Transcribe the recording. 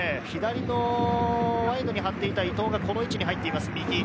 左のワイドに張っていた伊藤がこの位置に入っています。